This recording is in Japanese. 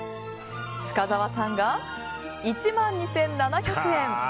深澤さんが１万２７００円。